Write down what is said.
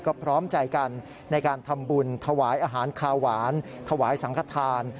ก็พร้อมใจกันในการทำบุญถวายอาหารคาหวานถวายสังขทาน